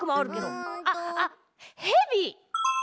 あっあっヘビ？